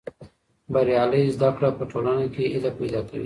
بریالۍ زده کړه په ټولنه کې هیله پیدا کوي.